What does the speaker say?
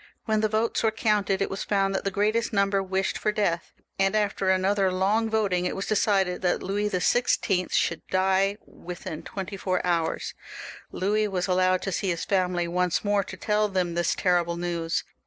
When the votes were counted it was found that the greatest number wished for death, and, after another long voting, it was decided that Louis XVI. should die within twenty four hours. Louis was allowed to see his family once more, to tell them this terrible news.